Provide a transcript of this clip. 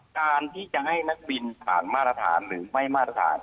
การที่จะให้นักบินผ่านมาตรฐานหรือไม่มาตรฐาน